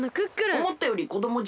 おもったよりこどもじゃのう。